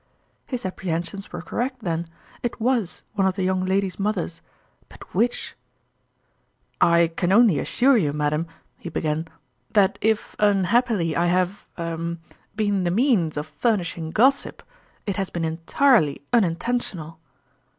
" His apprehensions were correct then : it was one of the young ladies' mothers but which f " I can only assure you, madam," he began, " that if unhappily I have er been the means of furnishing gossip, it has been entirely unin tentional."